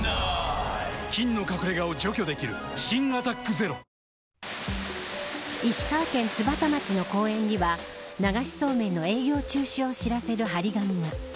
菌の隠れ家を除去できる新「アタックＺＥＲＯ」石川県津幡町の公園には流しそうめんの営業中止を知らせる張り紙が。